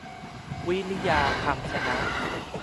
วริยา คำชนะ